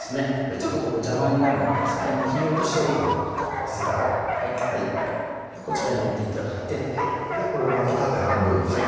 ちょっとここ邪魔になるので先に切り落としておいたほうがいいと思いますへたをはいこちらに入れて頂いてこれをまた縦半分に切る？